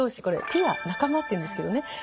これピア仲間っていうんですけどね